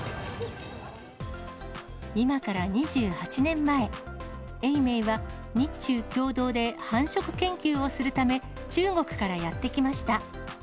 今から２８年前、永明は日中共同で繁殖研究をするため、中国からやって来ました。